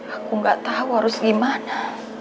aku gak tau harus gimana